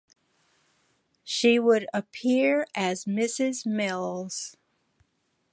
She would appear as "Mrs Mills".